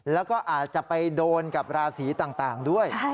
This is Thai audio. แล้วก็อาจจะไปโดนกับราศีต่างด้วย